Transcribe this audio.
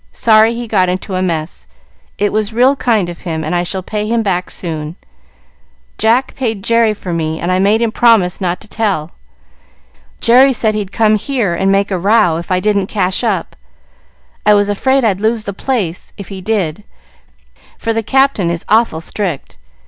Sorry he got into a mess. It was real kind of him, and I shall pay him back soon. Jack paid Jerry for me and I made him promise not to tell. Jerry said he'd come here and make a row if I didn't cash up. I was afraid I'd lose the place if he did, for the Capt. is awful strict.